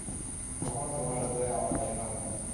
কখনও তোমার সাথে আমার দেখায় হয়নি।